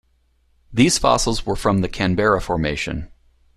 These fossils were from the Canberra Formation.